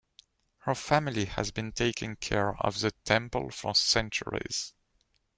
Her family has been taking care of the temple for centuries.